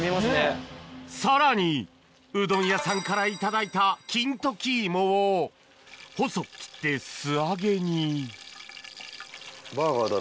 さらにうどん屋さんから頂いた金時芋を細く切って素揚げに普通に。